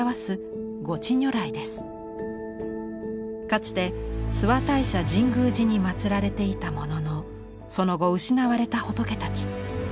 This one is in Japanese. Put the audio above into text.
かつて諏訪大社神宮寺に祀られていたもののその後失われた仏たち。